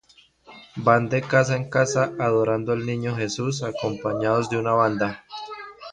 Van de casa en casa adorando al niño Jesús acompañados de una banda.